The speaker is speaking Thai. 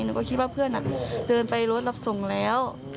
หนูก็คิดว่าเพื่อนเดินไปรถรับส่งแล้ว